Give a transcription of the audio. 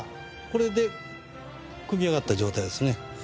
これで組み上がった状態ですね。